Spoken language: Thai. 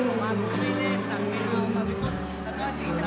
ก็ตังคนตามตอบตอนเนี้ยอะคะ